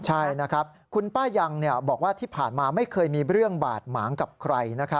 ใช่นะครับคุณป้ายังบอกว่าที่ผ่านมาไม่เคยมีเรื่องบาดหมางกับใคร